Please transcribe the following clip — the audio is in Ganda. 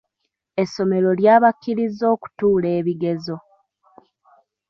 Essomero lya bakkiriza okutuula ebigezo.